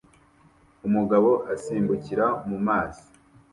Umugabo asimbukira mu mazi